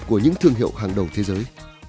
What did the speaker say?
của những thương hiệu hàng đầu thế giới